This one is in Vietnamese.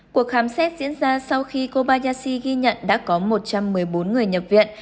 cuộc khám xét diễn ra sau khi kobayashi ghi nhận đã có một trăm một mươi bốn người nhập viện